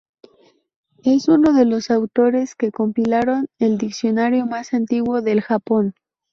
Es uno de los autores que compilaron el diccionario más antiguo del Japón.